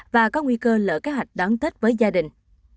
và có nguy cơ lỡ kế hoạch đón tết với gia đình